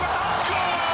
ゴール！